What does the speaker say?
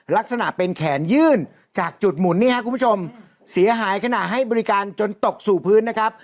ลักษณะเป็นแขนยื่นจากจุดหมุนนี่ฮะคุณผู้ชมเสียหายขณะให้บริการจนตกสู่พื้นนะครับ